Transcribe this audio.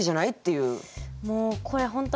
もうこれ本当